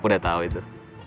aku udah tau itu